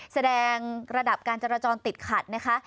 แสดงระดับการจราจรติดขัดนะคะ